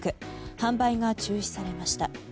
販売が中止されました。